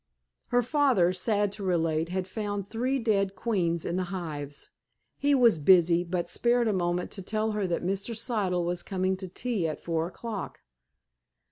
Her father, sad to relate, had found three dead queens in the hives. He was busy, but spared a moment to tell her that Mr. Siddle was coming to tea at four o'clock.